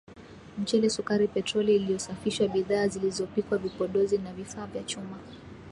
mchele sukari petroli iliyosafishwa bidhaa zilizopikwa vipodozi na vifaa vya chuma